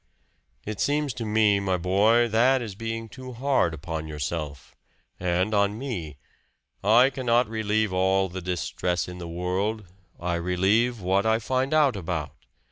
"It seems to me, my boy, that is being too hard upon yourself and on me. I cannot relieve all the distress in the world. I relieve what I find out about.